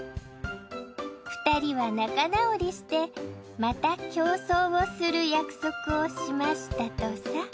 ２人は仲直りしてまた競走をする約束をしましたとさ。